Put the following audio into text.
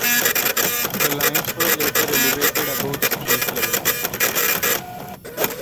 The lines were later elevated above street level.